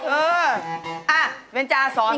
เออเอ้าเบนจ้าสอน